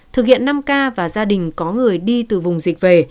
thực hiện năm k và gia đình có người đi từ vùng dịch về